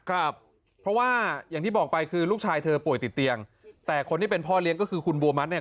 ครับเพราะว่าอย่างที่บอกไปคือลูกชายเธอป่วยติดเตียงแต่คนที่เป็นพ่อเลี้ยงก็คือคุณบัวมัติเนี่ย